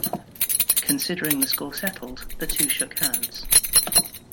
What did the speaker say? Considering the score settled, the two shook hands.